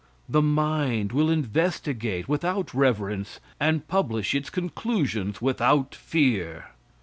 The mind will investigate without reverence and publish its conclusions without fear.